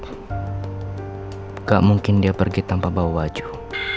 nggak mungkin dia pergi tanpa bawa wajah